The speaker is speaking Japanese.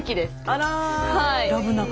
あら。